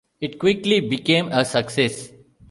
It quickly became a success.